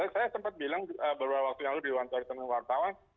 saya sempat bilang beberapa waktu yang lalu diwantari teman wartawan